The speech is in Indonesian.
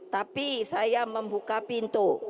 tapi saya membuka pintu